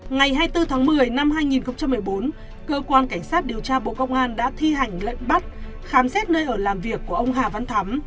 ngày hai mươi bốn tháng một mươi năm hai nghìn một mươi bốn cơ quan cảnh sát điều tra bộ công an đã thi hành lệnh bắt khám xét nơi ở làm việc của ông hà văn thắm